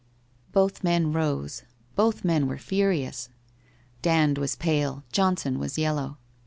' Both men rose. Botli men were furious. Dand was pale. Johnson was yellow.